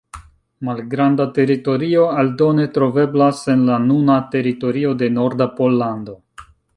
Malgranda teritorio aldone troveblas en la nuna teritorio de norda Pollando.